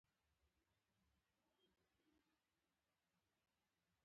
هلته نه ترکان ول.